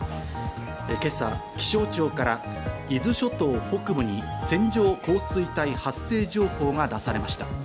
今朝、気象庁から伊豆諸島北部に線状降水帯発生情報が出されました。